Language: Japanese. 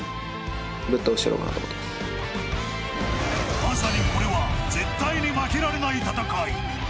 まさにこれは絶対に負けられない戦い。